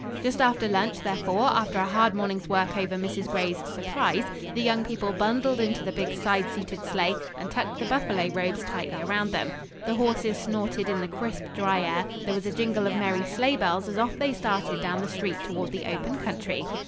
Just after lunch, therefore, after a hard morning's work over Mrs. Gray's "surprise," the young people bundled into the big side seated sleigh, and tucked the buffalo robes tightly around them. The horses snorted in the crisp, dry air; there was a jingle of merry sleigh bells as off they started down the street toward the open country.